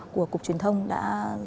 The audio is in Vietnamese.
của cục truyền thông đã